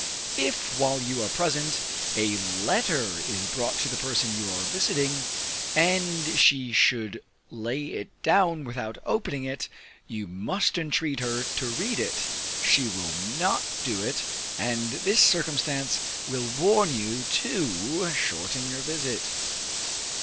If while you are present, a letter is brought to the person you are visiting, and she should lay it down without opening it, you must entreat her to read it; she will not do it, and this circumstance will warn you to shorten your visit.